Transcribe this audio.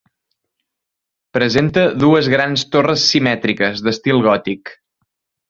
Presenta dues grans torres simètriques d'estil gòtic.